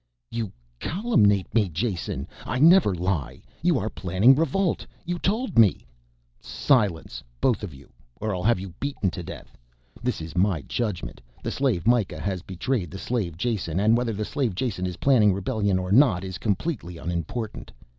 "You caluminate me, Jason! I never lie you are planning revolt. You told me " "Silence both of you, or I'll have you beaten to death. This is my judgment. The slave Mikah has betrayed the slave Jason, and whether the slave Jason is planning rebellion or not is completely unimportant.